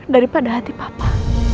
daripada hati papa